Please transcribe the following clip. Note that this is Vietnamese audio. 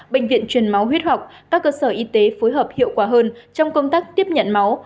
bệnh viện truyền máu huyết học các cơ sở y tế phối hợp hiệu quả hơn trong công tác tiếp nhận máu